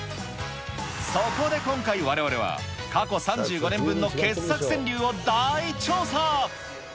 そこで今回、われわれは過去３５年分の傑作川柳を大調査。